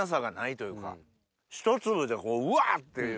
一粒でうわ！っていう。